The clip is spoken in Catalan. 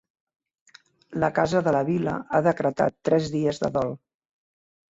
La casa de la vila ha decretat tres dies de dol.